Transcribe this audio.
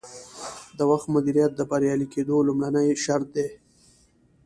د وخت مدیریت د بریالي کیدو لومړنی شرط دی.